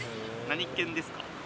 何犬ですか？